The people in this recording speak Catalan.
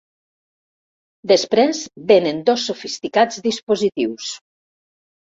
Després venen dos sofisticats dispositius.